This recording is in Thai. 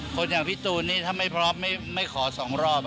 คนอย่างพี่ตูนนี่ถ้าไม่พร้อมไม่ขอ๒รอบ